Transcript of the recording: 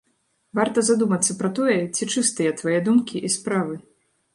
Варта задумацца пра тое, ці чыстыя твае думкі і справы.